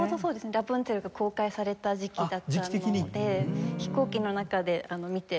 『ラプンツェル』が公開された時期だったので飛行機の中で見て号泣したのです。